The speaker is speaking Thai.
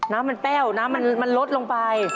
น้ำมันแป้วน้ำมันลดลงไป